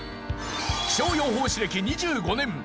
気象予報士歴２５年！